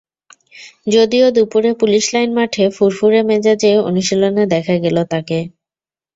যদিও দুপুরে police line মাঠে ফুরফুরে মেজাজেই অনুশীলনে দেখা গেল তাঁকে।